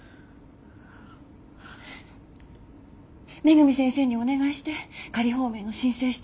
恵先生にお願いして仮放免の申請してる。